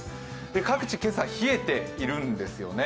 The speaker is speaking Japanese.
各地、今朝冷えているんですよね。